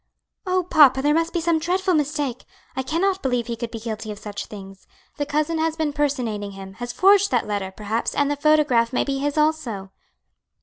"Oh, papa, there must be some dreadful mistake! I cannot believe he could be guilty of such things. The cousin has been personating him, has forged that letter, perhaps; and the photograph may be his also."